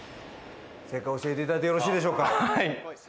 正解を教えていただいてよろしいでしょうか。